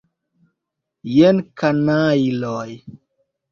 Jen, kanajloj!